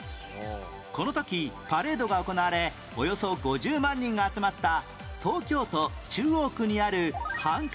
この時パレードが行われおよそ５０万人が集まった東京都中央区にある繁華街は？